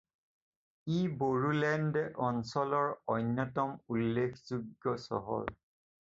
ই বড়োলেণ্ড অঞ্চলৰ অন্যতম উল্লেখযোগ্য চহৰ।